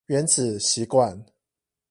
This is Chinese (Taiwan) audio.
原子習慣